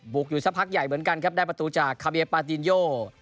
อยู่สักพักใหญ่เหมือนกันครับได้ประตูจากคาเบียปาตินโย